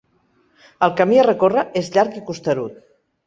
El camí a recórrer és llarg i costerut.